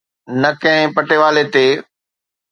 نه ڪنهن پٽيوالي تي.